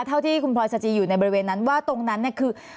เท่าที่คุณพลอยสจีอยู่ในบริเวณนั้นว่าตรงนั้นเนี่ยคือ